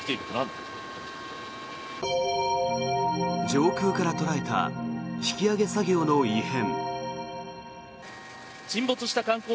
上空から捉えた引き揚げ作業の異変。